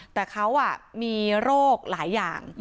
แต่เขามีโรคหลายอย่าง